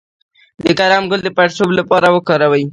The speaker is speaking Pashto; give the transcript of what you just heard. د کرم ګل د پړسوب لپاره وکاروئ